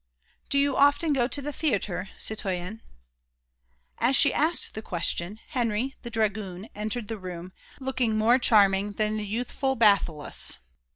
"Do you often go to the theatre, citoyen?" As she asked the question, Henry, the dragoon, entered the room, looking more charming than the youthful Bathyllus.